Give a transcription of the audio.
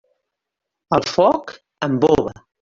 El foc embova.